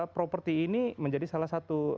properti ini menjadi salah satu